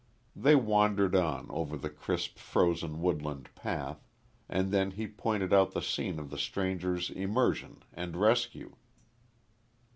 They wandered on, over the crisp frozen woodland path, and then he pointed out the scene of the stranger's immersion and rescue.